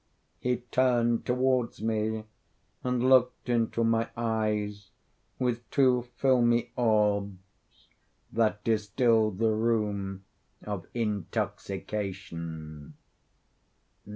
He turned towards me, and looked into my eyes with two filmy orbs that distilled the rheum of intoxication.